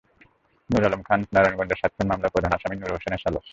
নূরে আলম খান নারায়ণগঞ্জের সাত খুন মামলার প্রধান আসামি নূর হোসেনের শ্যালক।